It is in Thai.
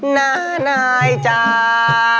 น้านายจ้า